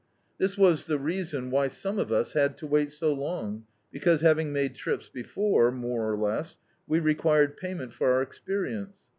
This was the reason why some of us had to wait so long, because, havmg made trips before, more or less, we required payment for our experi ence.